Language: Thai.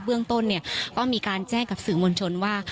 เบื้องต้นเนี่ยก็มีการแจ้งกับสื่อมวลชนว่า